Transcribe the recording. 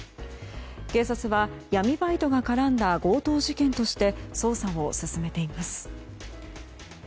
警察は、闇バイトが絡んだ強盗事件として捜査を進めています。